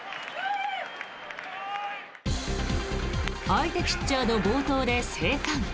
相手ピッチャーの暴投で生還。